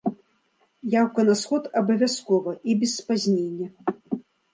Яўка на сход абавязкова і без спазнення.